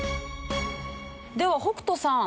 では北斗さん。